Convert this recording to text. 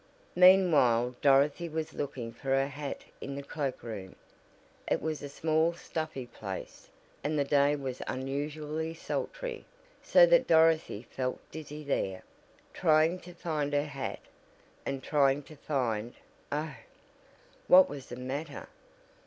Meanwhile Dorothy was looking for her hat in the cloak room. It was a small stuffy place, and the day was unusually sultry, so that Dorothy felt dizzy there, trying to find her hat and trying to find Oh! what was the matter?